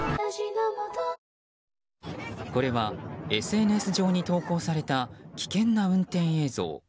これはＳＮＳ上に投稿された危険な運転映像。